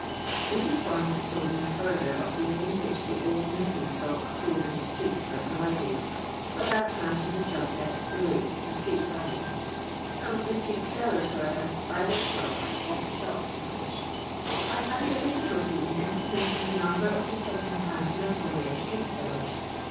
This informant told roe further of the way in which the old metal stocks sold in the streets were provided ; but that branch of the subject relates to street buying. Some of the street sellers, however, buy their stocks of the shopkeepers. I find a difficulty in estimating the number of the second hand metal ware street sellers.